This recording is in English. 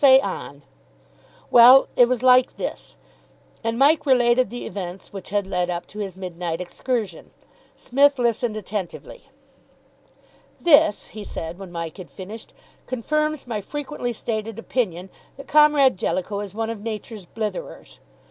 "Say on!" "Well, it was like this." And Mike related the events which had led up to his midnight excursion. Psmith listened attentively. "This," he said, when Mike had finished, "confirms my frequently stated opinion that Comrade Jellicoe is one of Nature's blitherers.